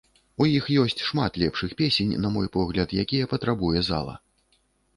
У іх ёсць шмат лепшых песень, на мой погляд, якія патрабуе зала.